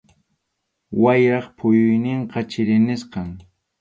Wayrap phukuyninqa chiri nisqam.